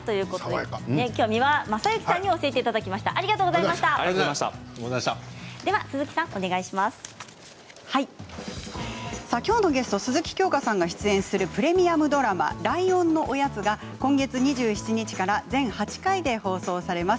きょうは三輪正幸さんにきょうのゲスト鈴木京香さんが出演するプレミアムドラマ「ライオンのおやつ」が今月２７日から全８回で放送されます。